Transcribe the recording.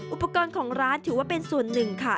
อุปกรณ์ของร้านถือว่าเป็นส่วนหนึ่งค่ะ